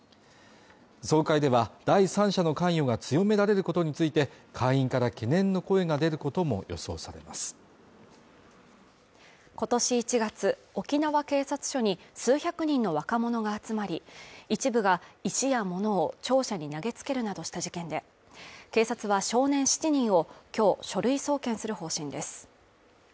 総会では第三者の関与が強められることについて会員から懸念の声が出ることも予想されますことし１月沖縄警察署に数百人の若者が集まり一部が石や物を庁舎に投げつけるなどした事件で警察は少年７人をきょう書類送検する方針です